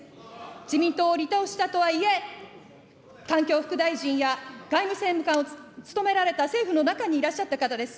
自民党を離党したとはいえ、環境副大臣や外務政務官を務められた政府の中にいらっしゃった方です。